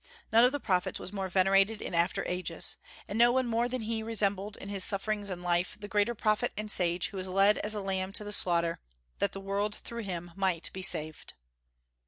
None of the prophets was more venerated in after ages. And no one more than he resembled, in his sufferings and life, that greater Prophet and Sage who was led as a lamb to the slaughter, that the world through him might be saved.